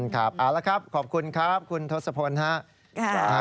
อ๋อแล้วครับขอบคุณครับคุณทศพลฮะ